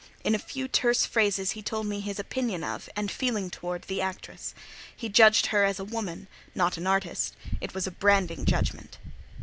In a few terse phrases he told me his opinion of, and feeling towards, the actress: he judged her as a woman, not an artist: it was a branding judgment.